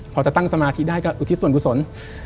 พอจะตั้งสมาธิได้ก็อุทิศส่วนกุศล